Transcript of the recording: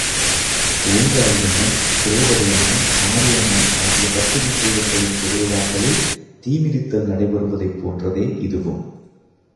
ஓங்காளியம்மன், துரோபதையம்மன், மாரியம்மன் ஆகிய பத்தினித் தெய்வங்களின் திருவிழாக்களில் தீமிதித்தல் நடைபெறுவதைப் போன்றதே இதுவும்.